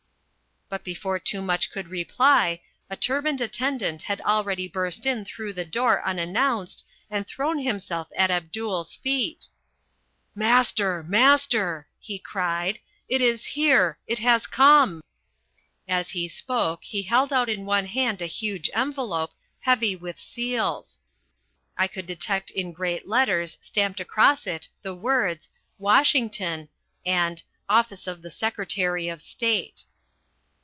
But before Toomuch could reply, a turbaned attendant had already burst in through the door unannounced and thrown himself at Abdul's feet. "Master! Master!" he cried. "It is here. It has come." As he spoke he held out in one hand a huge envelope, heavy with seals. I could detect in great letters stamped across it the words, WASHINGTON and OFFICE OF THE SECRETARY OF STATE.